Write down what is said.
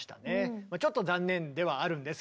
ちょっと残念ではあるんですけども。